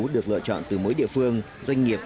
được lựa chọn từ mỗi địa phương doanh nghiệp